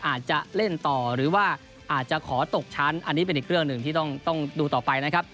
อาจจะเล่นต่อหรือว่าอาจจะขอตกชั้นอันนี้เป็นอีกเรื่องหนึ่งที่ต้องดูต่อไปนะครับ